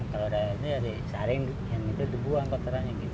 kalau udah disaring yang itu dibuang kok ternyata